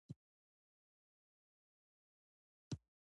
د دولت د دموکراتیکو بنسټونو وزیره شوه.